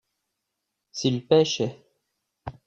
s'ils pêchaient.